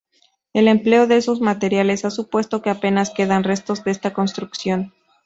El empleo de esos materiales ha supuesto que apenas queden restos de esta construcción.